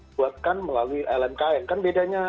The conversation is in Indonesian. buatkan melalui lmkn kan bedanya